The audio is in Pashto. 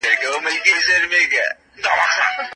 موږ باید په وخت سره خپل منزل ته ورسېږو.